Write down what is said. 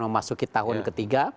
masuk ke tahun ke tiga